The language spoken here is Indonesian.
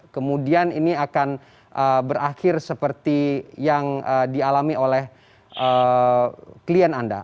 kemudian ini akan berakhir seperti yang dialami oleh klien anda